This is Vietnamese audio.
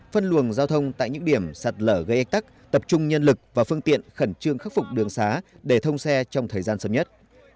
phân luồng giao thông tại những điểm sạt lở gây ách tắc tập trung nhân lực và phương tiện khẩn trương khắc phục đường xá để thông xe trong thời gian sớm nhất